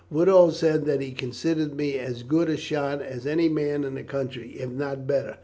Woodall said that he considered me as good a shot as any man in the country, if not better.